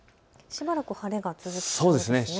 しばらく晴れが続きますね。